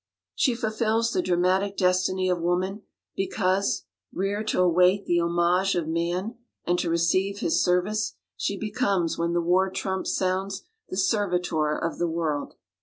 She fulfills the dramatic destiny of woman because, reared to await the homage of man and to receive his service, she becomes when the war trumps sound, the servitor of the world.